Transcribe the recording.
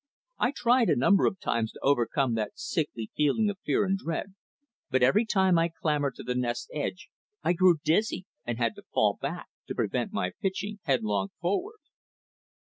I tried a number of times to overcome that sickly feeling of fear and dread, but every time I clambered to the nest's edge I grew dizzy and had to fall back to prevent my pitching headlong forward.